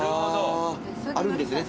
あるんですね